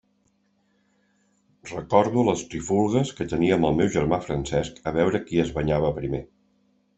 Recordo les trifulgues que tenia amb el meu germà Francesc a veure qui es banyava primer.